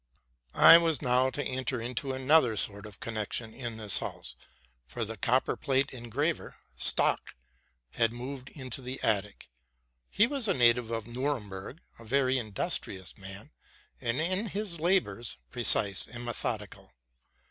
; I was now to enter into another sort of connection in this house ; for the copper plate engraver, Stock, had moved into the attic. He was a native of Nuremberg, a very industri ous man, and, in his labors, précise and methodical.